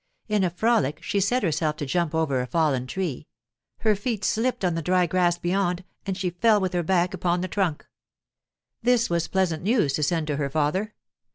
In a frolic she set herself to jump over a fallen tree; her feet slipped on the dry grass beyond, and she fell with her back upon the trunk. This was pleasant news to send to her father!